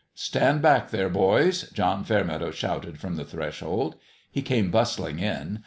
" Stand back there, boys !" John Fairmeadow shouted from the threshold. He came bustling in.